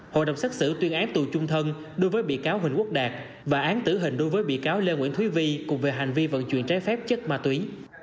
hội đồng xác xử tuyên án tù chung thân đối với bị cáo huỳnh quốc đạt và án tử hình đối với bị cáo lê nguyễn thúy vi cùng về hành vi vận chuyển trái phép chất ma túy